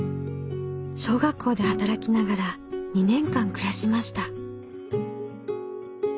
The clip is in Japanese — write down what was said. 小学校で働きながら２年間暮らしました。